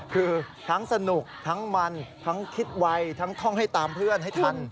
คือทั้งสนุกทั้งมันทั้งคิดไวทั้งท่องให้ตามเพื่อนให้ทัน